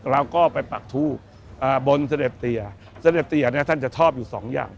เราก็ไปปักทูบบนเสด็จเตียเสด็จเตียเนี่ยท่านจะชอบอยู่สองอย่าง